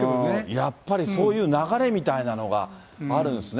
やっぱりそういう流れみたいなのがあるんですね。